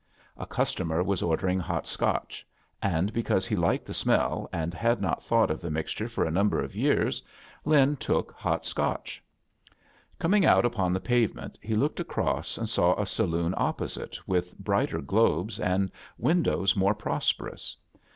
A tomer was ordei ing Hot Scotch; aiLd be cause he liked tht smeQandhad not thought of the mixture far a number of years, Lin took Hot Scotch. Coming out upon the pavement, he looked across and saw a saloon opposite with brighter globes and windows more prosperous.